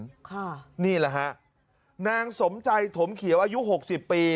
ค่ะนี่แหละฮะนางสมใจถมเขียวอายุหกสิบปี